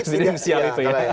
presidensial itu ya